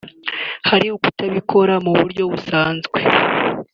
Hari ukutabikora mu buryo busanzwe